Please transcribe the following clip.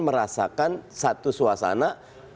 merasakan satu suasana